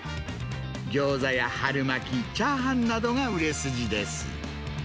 ギョーザや春巻き、チャーハンなどが売れ筋です。